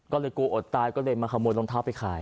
ก็เลยกลัวอดตายก็เลยมาขโมยรองเท้าไปขาย